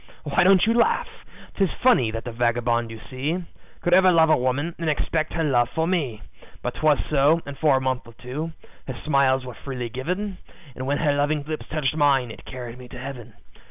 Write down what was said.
"Why don't you laugh? 'Tis funny that the vagabond you see Could ever love a woman, and expect her love for me; But 'twas so, and for a month or two, her smiles were freely given, And when her loving lips touched mine, it carried me to Heaven.